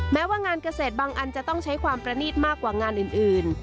แม้ว่างานเกษตรบางอันจะต้องใช้ความประนีตมากกว่างานอื่น